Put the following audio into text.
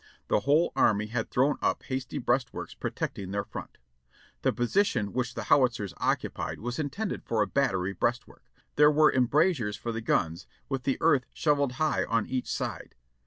The whole army had thrown up hasty breastworks protecting their front. "The position which the Howitzers occupied was intended for a battery breastwork ; there were embrasures for the guns, with the earth shovelled high on each side.